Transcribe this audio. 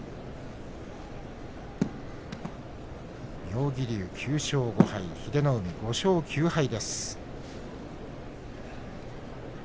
妙義龍９勝５敗英乃海５勝９敗です。